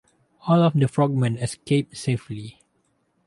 All of the frogmen escaped safely.